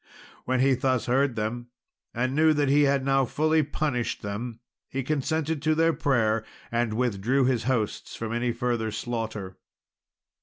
When he thus heard them, and knew that he had now fully punished them, he consented to their prayer, and withdrew his hosts from any further slaughter.